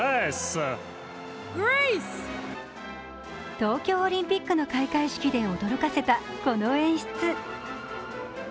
東京オリンピックの開会式で驚かせたこの演出。